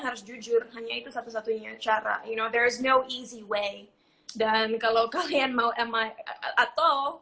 harus jujur hanya itu satu satunya cara you know there is no easy way dan kalau kalian mau atau